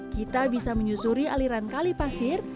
kita bisa menyusuri aliran kali pasir